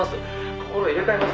心入れ替えます！」